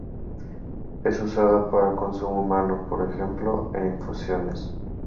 Es usada para consumo humano, por ejemplo, en infusiones.